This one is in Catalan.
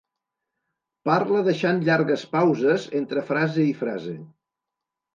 Parla deixant llargues pauses entre frase i frase.